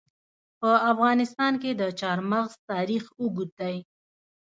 په افغانستان کې د چار مغز تاریخ اوږد دی.